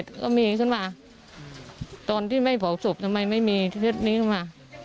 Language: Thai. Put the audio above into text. ก็มีขึ้นมาตอนที่ไม่เผาศพทำไมไม่มีชุดนี้ขึ้นมา